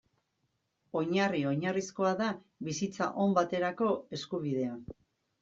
Oinarri oinarrizkoa da bizitza on baterako eskubidea.